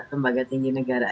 lembaga tinggi negara